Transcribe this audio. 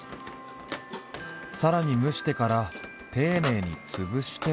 さらに蒸してから丁寧につぶして。